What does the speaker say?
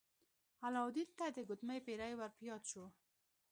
علاوالدین ته د ګوتمۍ پیری ور په یاد شو.